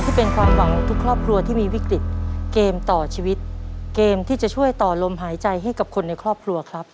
ที่เป็นความหวังของทุกครอบครัวที่มีวิกฤตเกมต่อชีวิตเกมที่จะช่วยต่อลมหายใจให้กับคนในครอบครัวครับ